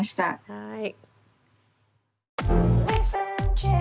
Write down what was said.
はい。